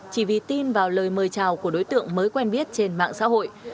chỉ vì tin vào lời mời chào của đối tượng mới quen biết trên mạng xã hội